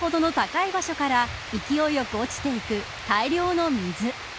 足がすくむほどの高い場所から勢いよく落ちていく大量の水。